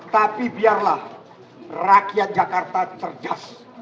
tapi biarlah rakyat jakarta cerdas